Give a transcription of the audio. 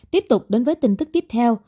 tiếp tục đến với tin tức tiếp theo